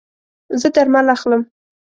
زه درمل اخلم